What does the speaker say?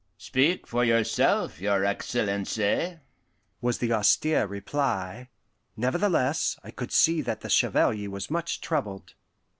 "Speak for yourself, your Excellency," was the austere reply. Nevertheless, I could see that the Chevalier was much troubled.